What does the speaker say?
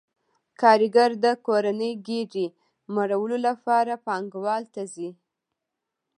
کارګر د کورنۍ ګېډې مړولو لپاره پانګوال ته ځي